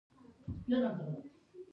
انسان کۀ خپل بيليف سسټم برابرول غواړي